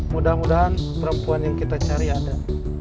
mudah mudahan perempuan yang kita cari ada